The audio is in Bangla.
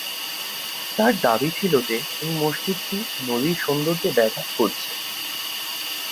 তার দাবি ছিল যে, এই মসজিদটি নদীর সৌন্দর্যে ব্যাঘাত করছে।